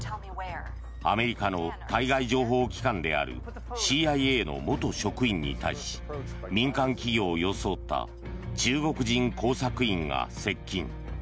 アメリカの対外情報機関であるＣＩＡの元職員に対し民間企業を装った中国人工作員が接近。